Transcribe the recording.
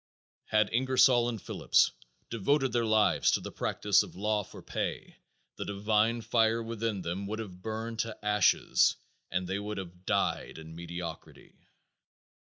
Had Ingersoll and Phillips devoted their lives to the practice of law for pay the divine fire within them would have burned to ashes and they would have died in mediocrity.